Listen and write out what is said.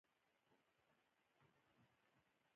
باز د زمکې له هر ښکار نه پورته دی